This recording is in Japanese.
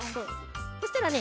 そしたらね